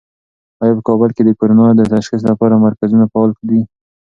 آیا په کابل کې د کرونا د تشخیص لپاره مرکزونه فعال دي؟